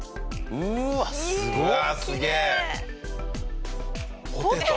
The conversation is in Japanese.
うわっすごい！